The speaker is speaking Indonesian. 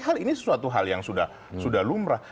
hal ini sesuatu hal yang sudah lumrah